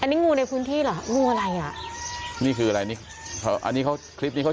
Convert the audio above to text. อันนี้งูในพื้นที่เหรองูอะไรอ่ะนี่คืออะไรนี่อันนี้เขาคลิปนี้เขา